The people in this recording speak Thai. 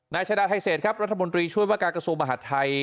ชาดาไทเศษครับรัฐมนตรีช่วยว่าการกระทรวงมหาดไทย